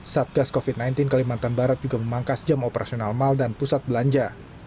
satgas covid sembilan belas kalimantan barat juga memangkas jam operasional mal dan pusat belanja